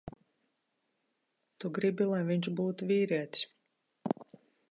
Tu gribi, lai viņš būtu vīrietis.